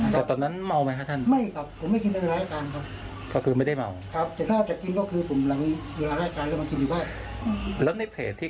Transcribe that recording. ๔ปีแล้วท่านก็บอกคือถ้าดื่มปั๊บเนี่ย